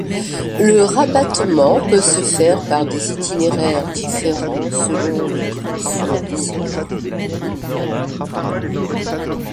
Le rabattement peut se faire par des itinéraires différents selon les directions desservies.